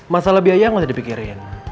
masalah biaya nggak terdipikirin